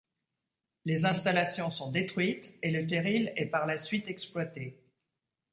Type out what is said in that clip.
Les installations sont détruites, et le terril est par la suite exploité.